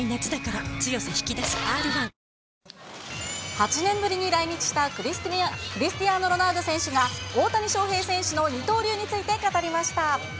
８年ぶりに来日したクリスティアーノ・ロナウド選手が、大谷翔平選手の二刀流について語りました。